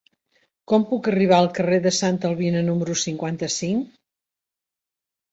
Com puc arribar al carrer de Santa Albina número cinquanta-cinc?